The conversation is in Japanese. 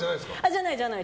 じゃない、じゃない。